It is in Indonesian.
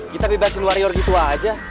kita bebasin warrior gitu aja